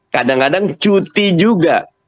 kadang kadang cuti juga